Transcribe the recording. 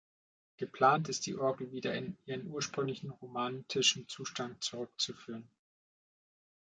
Geplant ist, die Orgel wieder in ihren ursprünglichen romantischen Zustand zurückzuführen.